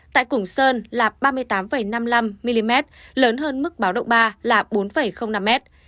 tại củng sơn là ba mươi tám năm mươi năm mm lớn hơn mức báo động ba là bốn năm m